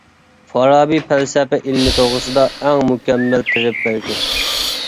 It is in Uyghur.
فارابى پەلسەپە ئىلمى توغرىسىدا ئەڭ مۇكەممەل تېرىپ بەرگەن.